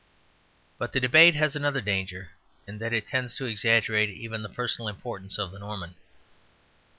But the debate has another danger, in that it tends to exaggerate even the personal importance of the Norman.